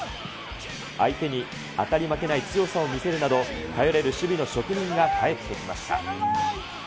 相手に当たり負けない強さを見せるなど、頼れる守備の職人が帰ってきました。